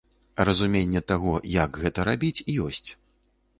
Разуменне таго, як гэта рабіць, ёсць.